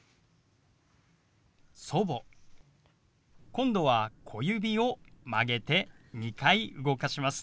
今度は小指を曲げて２回動かします。